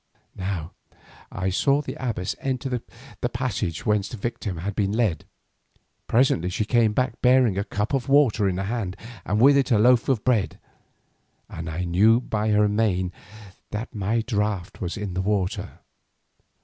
Now I saw the abbess enter that passage whence the victim had been led. Presently she came back bearing a cup of water in her hand and with it a loaf of bread, and I knew by her mien that my draught was in the water.